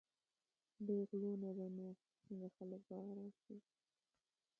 دې غلو نه به نو څنګه خلک په آرام شي.